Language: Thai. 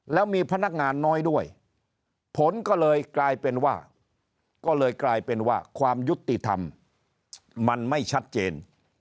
แล้วมีพนักงานน้อยด้วยผลก็เลยกลายเป็นว่าก็เลยกลายเป็นว่าความยุติธรรมมันไม่ชัดเจน